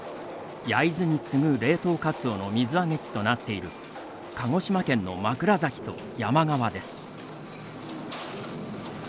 焼津に次ぐ冷凍カツオの水揚げ地となっている鹿児島県の枕崎と山川です。